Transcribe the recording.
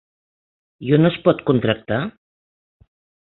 I on es pot contractar?